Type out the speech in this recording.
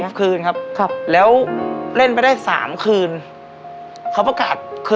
คืนครับครับแล้วเล่นไปได้สามคืนเขาประกาศคือ